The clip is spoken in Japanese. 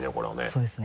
そうですね。